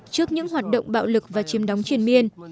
trước những hoạt động bạo lực và chiếm đóng trên miên